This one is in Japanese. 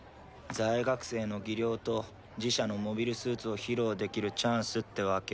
在学生の技量と自社のモビルスーツを披露できるチャンスってわけ。